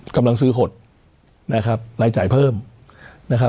กำลังซื้อหดนะครับรายจ่ายเพิ่มนะครับ